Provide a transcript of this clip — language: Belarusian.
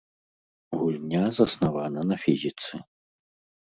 Гульня заснавана на фізіцы.